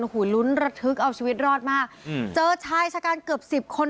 โอ้โหลุ้นระทึกเอาชีวิตรอดมากอืมเจอชายชะกันเกือบสิบคน